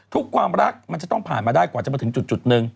ความรักมันจะต้องผ่านมาได้กว่าจะมาถึงจุดหนึ่ง